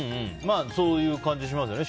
そういう感じしますよね。